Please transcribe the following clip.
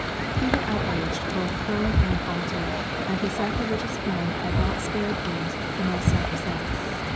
He had outraged both throne and altar, and his sacrilegious hand had not spared things the most sacrosanct.